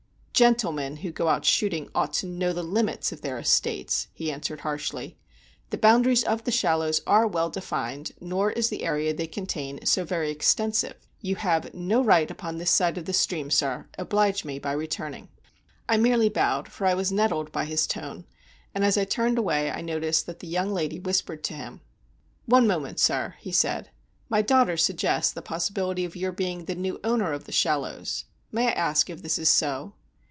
"Gentlemen who go out shooting ought to know the limits of their estates," he answered harshly; "the boundaries of The Shallows are well defined, nor is the area they contain so very extensive. You have no right upon this side the stream, sir; oblige me by returning." I merely bowed, for I was nettled by his tone, and as I turned away I noticed that the young lady whispered to him. "One moment, sir," he said, "my daughter suggests the possibility of your being the new owner of The Shallows. May I ask if this is so?"